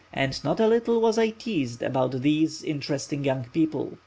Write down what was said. and not a little was I teased about these interesting young people.